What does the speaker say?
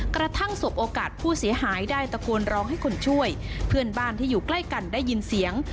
สบโอกาสผู้เสียหายได้ตะโกนร้องให้คนช่วยเพื่อนบ้านที่อยู่ใกล้กันได้ยินเสียง